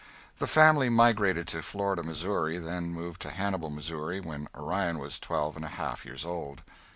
The family migrated to Florida, Missouri, then moved to Hannibal, Missouri, when Orion was twelve and a half years old.